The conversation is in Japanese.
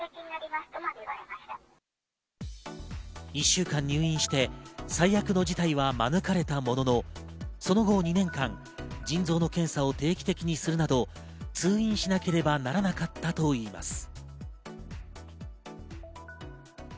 １週間入院して最悪の事態は免れたものの、その後２年間、腎臓の検査を定期的にするなど、通院しなければならなかったといいます。